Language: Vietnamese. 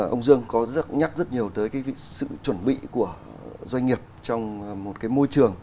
ông dương có nhắc rất nhiều tới sự chuẩn bị của doanh nghiệp trong một môi trường